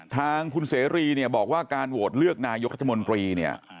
ทางคุณเสรีเนี่ยบอกว่าการโหวตเลือกนายกรัฐมนตรีเนี่ย